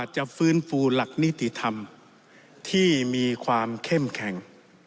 จะฟื้นฟูหลักนิติธรรมที่มีความเข้มแข็ง